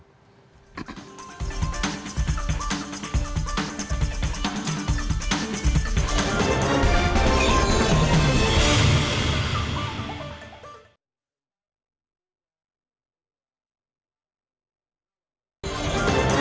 seperti yang terjadi nanti